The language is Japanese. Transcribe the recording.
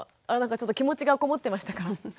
あなんかちょっと気持ちがこもってましたか？